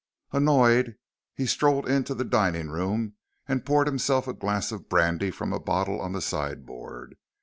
Annoyed, he strolled into the dining room and poured himself a glass of brandy from a bottle on the sideboard.